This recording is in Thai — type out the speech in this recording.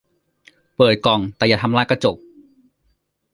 เปิดกล่องแต่อย่าทำลายกระจก